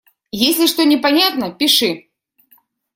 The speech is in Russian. Если что непонятно - пиши.